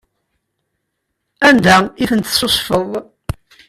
Anda i ten-tessusfeḍ?